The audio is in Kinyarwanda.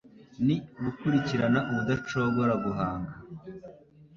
Ni ugukurikirana ubudacogora guhanga. ”